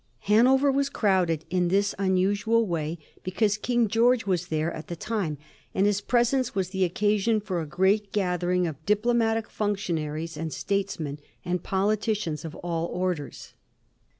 Hanover was crowded in this un usual way because King George was there at the time, and his presence was the occasion for a great gathering of diplomatic functionaries and statesmen and politicians of all orders.